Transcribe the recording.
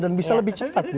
dan bisa lebih cepat